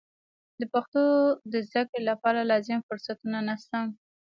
د پښتو د زده کړې لپاره لازم فرصتونه نشته.